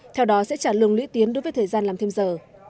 theo đó sẽ trả lương lũy tiến đối với thời gian làm thêm giờ